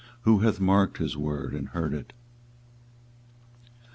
who hath marked his word, and heard it?